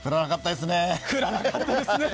降らなかったですね。